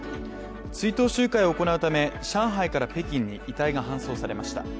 追悼集会を行うため、上海から北京に遺体が搬送されました。